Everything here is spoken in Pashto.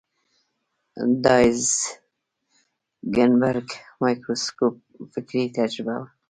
د هایزنبرګر مایکروسکوپ فکري تجربه وه.